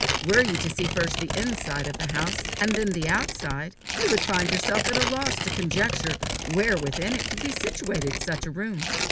Were you to see first the inside of the house and then the outside, you would find yourself at a loss to conjecture where within it could be situated such a room.